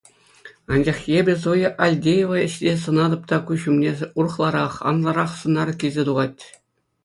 Анчах эпӗ Зоя Альдеева ӗҫне сӑнатӑп та, куҫ умне урӑхларах, анлӑрах сӑнар килсе тухать.